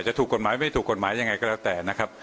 จะถูกกฎหมายไม่ถูกกฎหมายยังไงก็แล้วแต่นะครับ